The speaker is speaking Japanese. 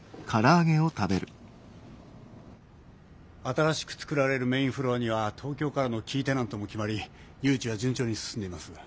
新しく作られるメインフロアには東京からのキーテナントも決まり誘致は順調に進んでいます。